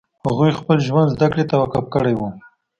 هغو خپل ژوند زدکړې ته وقف کړی و